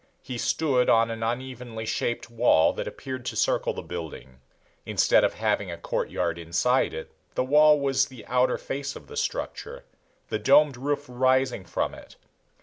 He stood on an unevenly shaped wall that appeared to circle the building. Instead of having a courtyard inside it, the wall was the outer face of the structure, the domed roof rising from it.